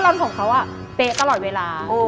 คุณรู้สึกไหมคะว่ารอนผมเขาอะเป๊ะตลอดเวลา